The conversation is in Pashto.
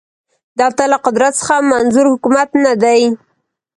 دلته له قدرت څخه منظور حکومت نه دی